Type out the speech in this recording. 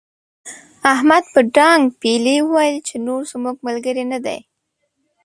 احمد په ډانګ پېيلې وويل چې نور زموږ ملګری نه دی.